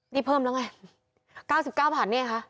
นี่เพิ่มแล้วไง๙๙บาทนี่ไงคะ